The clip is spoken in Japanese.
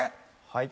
はい。